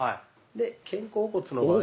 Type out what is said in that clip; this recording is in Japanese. で肩甲骨の場合は。